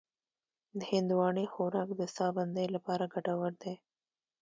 د هندواڼې خوراک د ساه بندۍ لپاره ګټور دی.